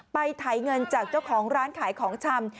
ไถเงินจากเจ้าของร้านขายของชำ